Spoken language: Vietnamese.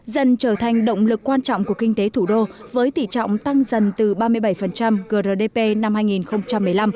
dần trở thành động lực quan trọng của kinh tế thủ đô với tỷ trọng tăng dần từ ba mươi bảy grdp năm hai nghìn một mươi năm